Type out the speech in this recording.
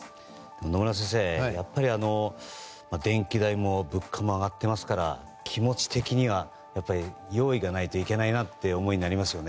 野村先生、やっぱり電気代も物価も上がってますから気持ち的には用意がないといけないなという思いになりますよね。